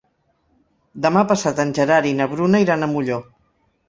Demà passat en Gerard i na Bruna iran a Molló.